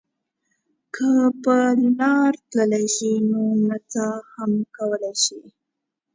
که په لاره تللی شئ نو نڅا هم کولای شئ.